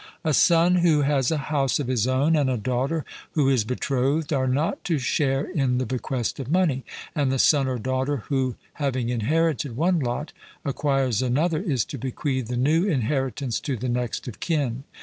A son who has a house of his own, and a daughter who is betrothed, are not to share in the bequest of money; and the son or daughter who, having inherited one lot, acquires another, is to bequeath the new inheritance to the next of kin.